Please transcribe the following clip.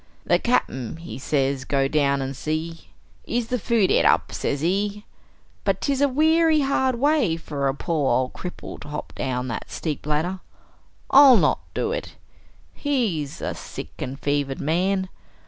"The Cap'n, he say go down an' see, is the food et up, sez he. But 'tis a weary hard way for a pore ol' cripple to hop down thet steep ladder. I'll not do it. He's a sick and fevered man.